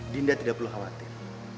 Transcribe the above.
dinda tidak perlu khawatir